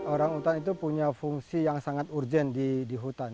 orang utan itu punya fungsi yang sangat urgent di hutan